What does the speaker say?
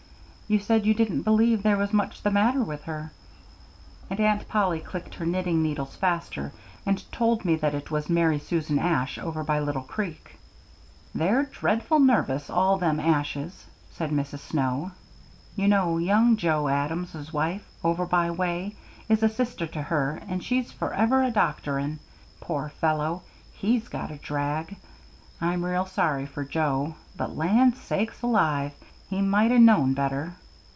"You said you didn't believe there was much the matter with her." And Aunt Polly clicked her knitting needles faster, and told me that it was Mary Susan Ash, over by Little Creek. "They're dreadful nervous, all them Ashes," said Mrs. Snow. "You know young Joe Adams's wife, over our way, is a sister to her, and she's forever a doctorin'. Poor fellow! he's got a drag. I'm real sorry for Joe; but, land sakes alive! he might 'a known better.